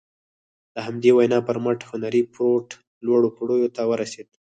د همدې وينا پر مټ هنري فورډ لوړو پوړيو ته ورسېد.